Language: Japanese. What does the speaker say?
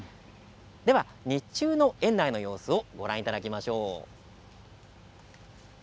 では日中の園内の様子をご覧いただきましょう。